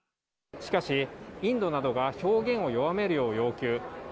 しかし、インドなどが表現などを弱めるよう要求。